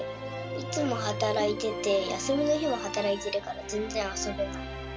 いつも働いてて、休みの日も働いてるから、全然遊べない。